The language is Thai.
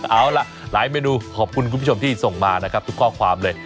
เอาล่ะหลายเมนูขอบคุณคุณผู้ชมที่ส่งมานะครับทุกข้อความเลย